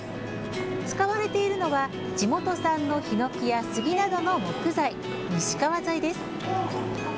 使われているのは地元産のひのきや杉などの木材、西川材です。